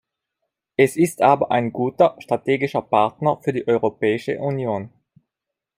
Es ist aber ein guter strategischer Partner für die Europäische Union.